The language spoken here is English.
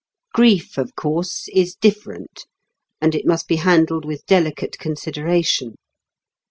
Grief, of course, is different, and it must be handled with delicate consideration.